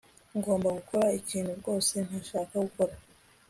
Ngomba gukora ikintu rwose ntashaka gukora